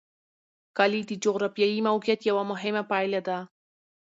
کلي د جغرافیایي موقیعت یوه مهمه پایله ده.